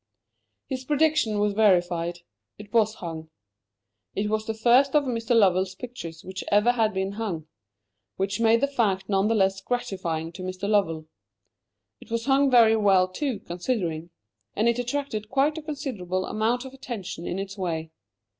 His prediction was verified it was hung. It was the first of Mr. Lovell's pictures which ever had been hung which made the fact none the less gratifying to Mr. Lovell. It was hung very well, too, considering. And it attracted quite a considerable amount of attention in its way.